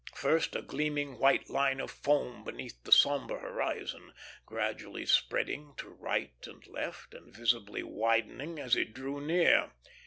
First a gleaming white line of foam beneath the sombre horizon, gradually spreading to right and left, and visibly widening as it drew near.